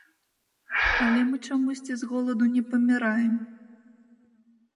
Але мы чамусьці з голаду не паміраем.